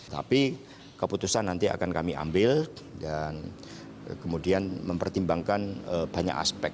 tapi keputusan nanti akan kami ambil dan kemudian mempertimbangkan banyak aspek